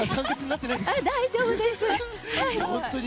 大丈夫です。